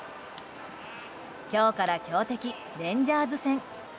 今日から、強敵レンジャーズ戦。